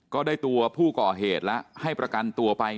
ก็ได้ตัวผู้ก่อเหตุแล้วให้ประกันตัวไป